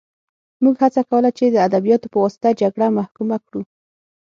موږ هڅه کوله چې د ادبیاتو په واسطه جګړه محکومه کړو